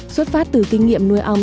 xuất phát từ kinh nghiệm nuôi ong